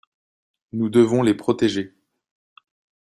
Nous devons les protéger.